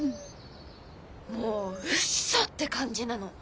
もううっそって感じなの。